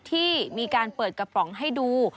ที่มีการเปิดกระป๋องให้ดู